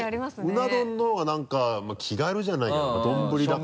うな丼の方がなんか気軽じゃないけどやっぱり丼だから。